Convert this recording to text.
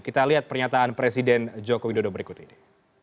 kita lihat pernyataan presiden jokowi yang berikut ini